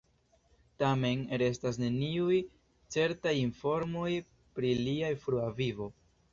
Tamen restas neniuj certaj informoj pri lia frua vivo.